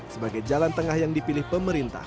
sebagai jalan tengah yang dipilih pemerintah